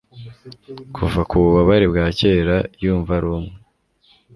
Kuva kububabare bwa kera yumva arumwe